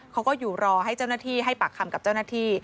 เขาก็อยู่รอให้เจ้าหน้าที่ให้ปากคำกับเจ้าหน้าที่